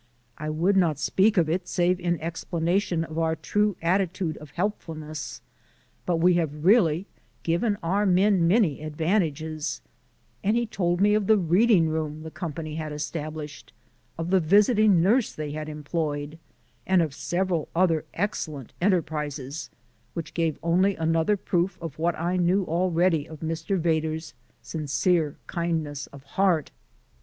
"I would not speak of it save in explanation of our true attitude of helpfulness; but we have really given our men many advantages" and he told me of the reading room the company had established, of the visiting nurse they had employed, and of several other excellent enterprises, which gave only another proof of what I knew already of Mr. Vedder's sincere kindness of heart.